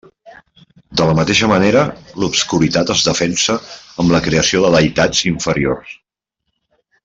De la mateixa manera, l'obscuritat es defensa amb la creació de deïtats inferiors.